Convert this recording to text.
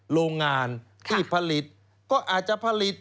โรงงานที่ผลิตก็อาจจะผลิต